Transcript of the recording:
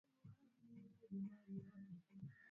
wasianze kuhangaika wakati huo sasa inakuwa ni vugumu kwa hiyo